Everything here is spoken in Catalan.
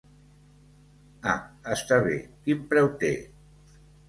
Ah està bé, quin preu té?